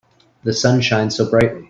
The sun shines so brightly.